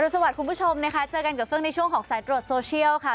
สวัสดีคุณผู้ชมนะคะเจอกันกับเฟื่องในช่วงของสายตรวจโซเชียลค่ะ